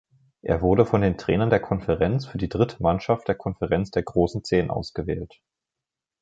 Er wurde von den Trainern der Konferenz für die dritte Mannschaft der Konferenz der großen Zehn ausgewählt.